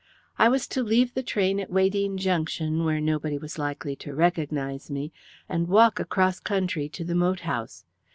I was to leave the train at Weydene Junction, where nobody was likely to recognize me, and walk across country to the moat house.